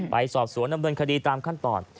ไปสอบสวนดำเนินคดีตามขั้นตอน